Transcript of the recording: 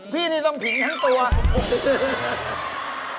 พี่นี่ต้องผิงฝั่งตัว